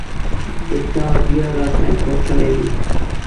د تا بیا راتګ به کله وي